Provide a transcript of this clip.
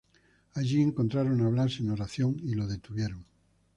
Allí encontraron a Blas en oración y lo detuvieron.